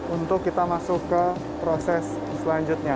untuk kita masuk ke proses selanjutnya